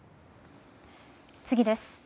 次です。